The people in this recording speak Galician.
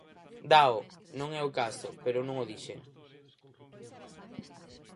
Dáo, non é o caso, pero eu non o dixen.